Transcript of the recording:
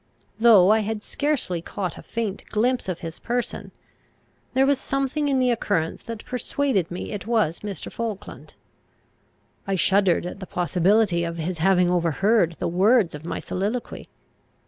Though I had scarcely caught a faint glimpse of his person, there was something in the occurrence that persuaded me it was Mr. Falkland. I shuddered at the possibility of his having overheard the words of my soliloquy.